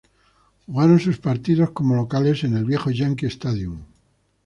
Jugaron sus partidos como locales en el viejo Yankee Stadium.